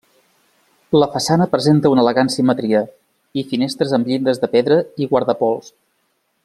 La façana presenta una elegant simetria i finestres amb llindes de pedra i guardapols.